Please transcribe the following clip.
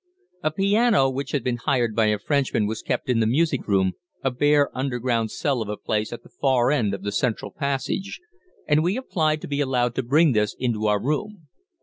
A piano which had been hired by a Frenchman was kept in the music room, a bare underground cell of a place at the far end of the central passage, and we applied to be allowed to bring this into our room.